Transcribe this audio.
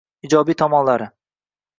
Ijobiy tomonlari: